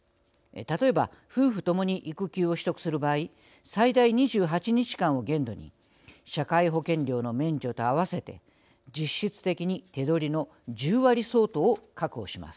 例えば夫婦ともに育休を取得する場合最大２８日間を限度に社会保険料の免除と合わせて実質的に手取りの１０割相当を確保します。